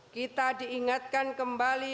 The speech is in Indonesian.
kita diingatkan kembali